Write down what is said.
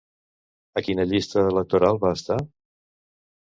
A quina llista electoral va estar?